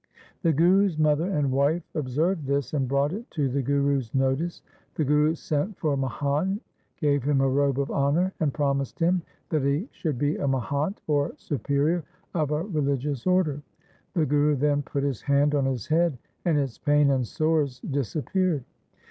The Guru's mother and wife observed this, and brought it to the Guru's notice. The Guru sent for Mihan, gave him a robe of honour, and promised him that he should be a Mahant, or superior of a religious order. The Guru then put his hand on his head, and its pain and sores dis appeared.